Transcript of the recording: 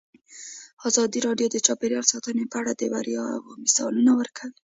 ازادي راډیو د چاپیریال ساتنه په اړه د بریاوو مثالونه ورکړي.